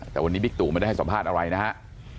แต่วันนี้บิ๊กตู่ไม่ได้ให้สัมภาษณ์อะไรนะครับ